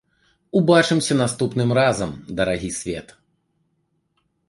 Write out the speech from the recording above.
Убачымся наступным разам, дарагі свет.